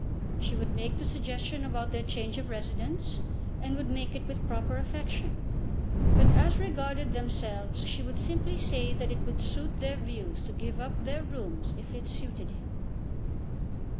She would make the suggestion about their change of residence, and would make it with proper affection; but as regarded themselves she would simply say that it would suit their views to give up their rooms if it suited him.